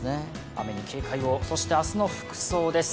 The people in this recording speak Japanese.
雨に警戒を、そして明日の服装です。